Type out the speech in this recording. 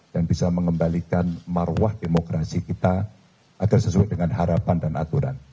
dan bisa mengembalikan maruah demokrasi kita agar sesuai dengan harapan dan aturan